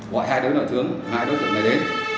gọi hai đối nội thướng hai đối tượng này đến